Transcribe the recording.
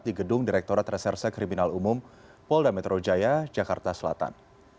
di gedung direkturat reserse kriminal umum polda metro jaya jakarta selatan